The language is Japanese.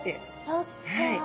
そっか。